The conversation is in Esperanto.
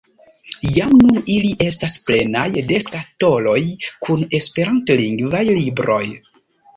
Jam nun ili estas plenaj de skatoloj kun esperantlingvaj libroj.